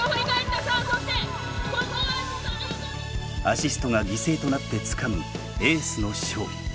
アシストが犠牲となってつかむエースの勝利。